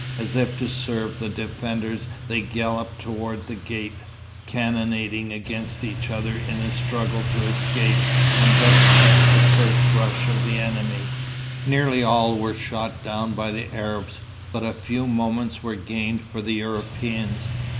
As if to serve the defenders, they galloped toward the gate, cannoning against each other in the struggle to escape, and thus checked the first rush of the enemy. Nearly all were shot down by the Arabs, but a few moments were gained for the Europeans.